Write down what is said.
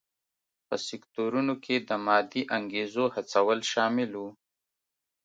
په سکتورونو کې د مادي انګېزو هڅول شامل و.